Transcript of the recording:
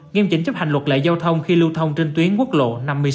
nghiêm chỉnh chấp hành luật lệ giao thông khi lưu thông trên tuyến quốc lộ năm mươi sáu